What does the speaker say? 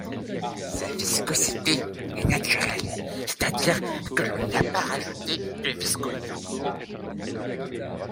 Sa viscosité est naturelle, c'est-à-dire que l'on n'y a pas rajouté de viscosant.